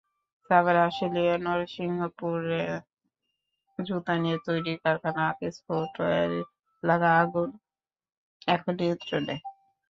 সাভারের আশুলিয়ার নরসিংহপুরে জুতা তৈরির কারখানা আকিজ ফুটওয়্যারে লাগা আগুন এখন নিয়ন্ত্রণে।